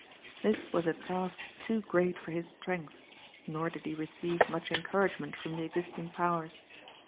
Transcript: This was a task too great for his strength, nor did he receive much encouragement from the existing powers.